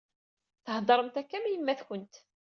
Theddṛemt akka am yemma-tkent.